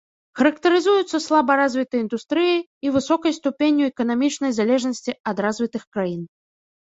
Характарызуюцца слаба развітай індустрыяй і высокай ступенню эканамічнай залежнасці ад развітых краін.